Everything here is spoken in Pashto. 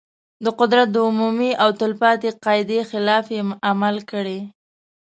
د قدرت د عمومي او تل پاتې قاعدې خلاف یې عمل کړی.